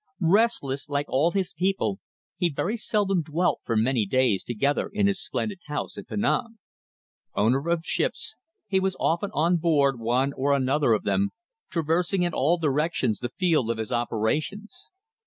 Restless, like all his people, he very seldom dwelt for many days together in his splendid house in Penang. Owner of ships, he was often on board one or another of them, traversing in all directions the field of his operations.